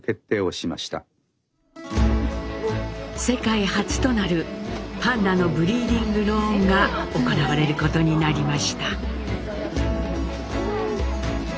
世界初となる「パンダのブリーディングローン」が行われることになりました。